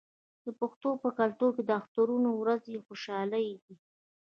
د پښتنو په کلتور کې د اخترونو ورځې د خوشحالۍ دي.